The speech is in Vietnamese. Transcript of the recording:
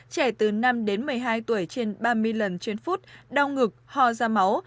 trẻ từ năm đến một mươi hai tuổi trên ba mươi lần trên phút đau ngực hò ra máu